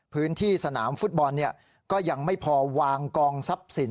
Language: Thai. พื้นที่สนามฟุตบอลก็ยังไม่พอวางกองทรัพย์สิน